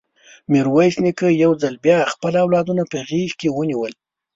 ميرويس نيکه يو ځل بيا خپل اولادونه په غېږ کې ونيول.